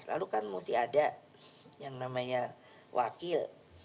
lalu kan mesti ada yang namanya wakil